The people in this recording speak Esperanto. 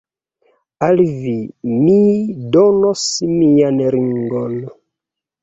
Al vi mi donos mian ringon.